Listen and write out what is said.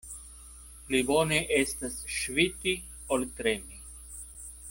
Pli bone estas ŝviti, ol tremi.